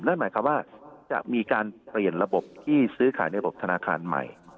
นั่นหมายความว่าจะมีการเปลี่ยนระบบที่ซื้อขายในระบบธนาคารใหม่